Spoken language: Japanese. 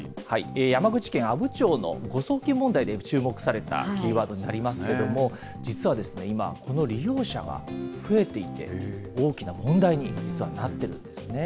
山口県阿武町の誤送金問題で注目されたキーワードになりますけれども、実は今、この利用者が増えていて、大きな問題に実はなってるんですね。